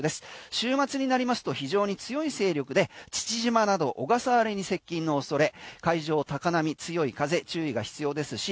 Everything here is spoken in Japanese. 週末になりますと非常に強い勢力で父島など小笠原に接近の恐れ海上、高波強い風、注意が必要ですし